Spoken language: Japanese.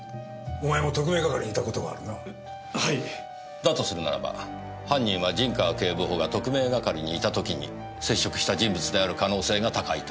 だとするならば犯人は陣川警部補が特命係にいた時に接触した人物である可能性が高いと思います。